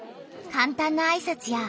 かんたんなあいさつやたん